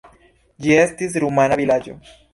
Ĝi estis rumana vilaĝo.